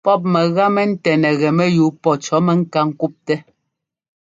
Pɔ́p mɛga mɛntɛ́ nɛgɛ mɛyúu pɔ́ cɔ̌ mɛŋká ŋ́kúptɛ́.